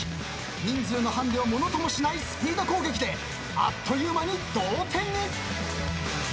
人数のハンディを物ともしないスピード攻撃であっという間に同点に。